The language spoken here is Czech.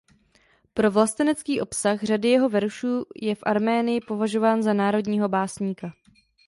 Pro vlastenecký obsah řady jeho veršů je v Arménii považován za národního básníka.